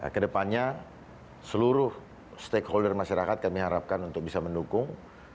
kedepannya seluruh stakeholder masyarakat kami harapkan untuk bisa mendukung